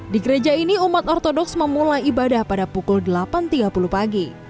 di gereja ini umat ortodoks memulai ibadah pada pukul delapan tiga puluh pagi